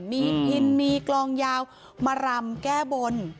มีพินมีกลองยาวมารำแก้บน